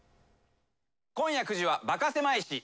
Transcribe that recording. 今夜９時は「バカせまい史」。